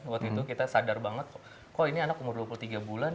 waktu itu kita sadar banget kok ini anak umur dua puluh tiga bulan